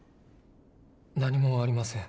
何もありません。